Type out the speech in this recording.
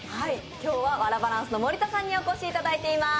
今日はワラバランスの盛田さんにお越しいただいています。